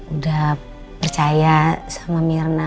udah percaya sama mirna